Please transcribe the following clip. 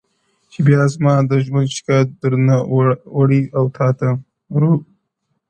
چي بیا زما د ژوند شکايت درنه وړي و تاته،